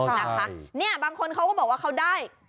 ใช่ครับเนี่ยบางคนเค้าก็บอกว่าเขาได้